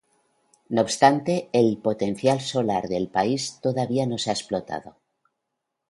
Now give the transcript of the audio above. No obstante, el potencial solar del país todavía no se ha explotado.